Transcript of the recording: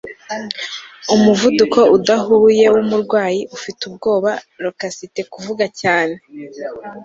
Umuvuduko udahuye wumurwayi ufite ubwoba loquacity kuvuga cyane